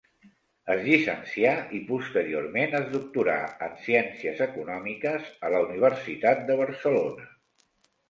Es llicencià i posteriorment es doctorà en Ciències Econòmiques a la Universitat de Barcelona.